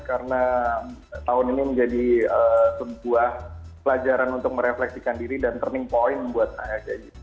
karena tahun ini menjadi sebuah pelajaran untuk merefleksikan diri dan turning point buat saya